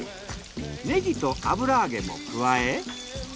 ネギと油揚げも加え。